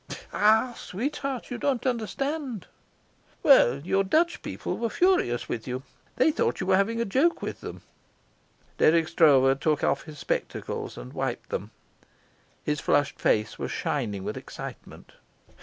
"Ah, sweetheart, you don't understand." "Well, your Dutch people were furious with you. They thought you were having a joke with them." Dirk Stroeve took off his spectacles and wiped them. His flushed face was shining with excitement.